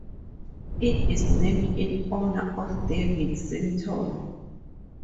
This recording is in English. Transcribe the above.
It is named in honor of David Sinton.